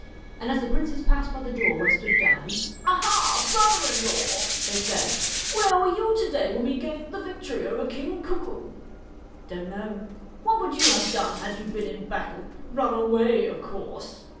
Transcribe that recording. And as the princes passed by the door where stood Dan, 'Ah, ha! brother in law,' they said, 'where were you to day when we gained the victory over King Cuckoo?' ' Don't know.' 'What would you have done had you been in battle ? Run away, of course.'